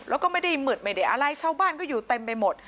แล้วก็ไม่ได้มืดไม่ได้อะไรชาวบ้านก็อยู่เต็มไปหมด